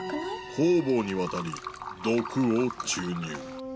方々にわたり毒を注入